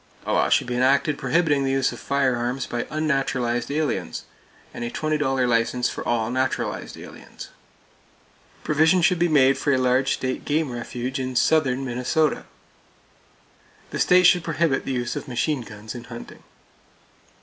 A law should be enacted prohibiting the use of firearms by unnaturalized aliens, and a $20 license for all naturalized aliens. Provision should be made for a large state game refuge in southern Minnesota. The state should prohibit the use of machine guns in hunting.